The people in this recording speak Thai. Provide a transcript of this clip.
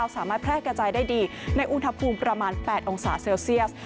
สามารถแพร่กระจายได้ดีในอุณหภูมิประมาณ๘องศาเซลเซียส